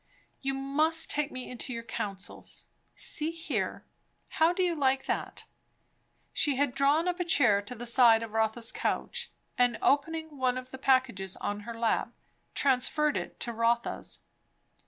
"You must take me into your counsels. See here how do you like that?" She had drawn up a chair to the side of Rotha's couch, and opening one of the packages on her lap, transferred it to Rotha's.